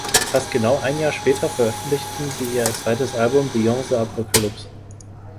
Fast genau ein Jahr später veröffentlichten sie ihr zweites Album "Beyond the Apocalypse".